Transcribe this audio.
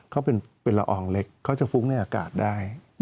เขาเป็นละอองเล็กเขาจะฟุ้งในอากาศได้